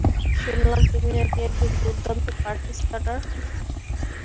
শুনলাম তুমি নাকি একজন দুর্দান্ত পার্টি স্টার্টার।